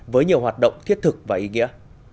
với nhiều hoạt động thiết thực và ý nghĩa